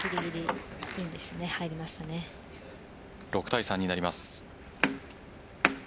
６対３になります。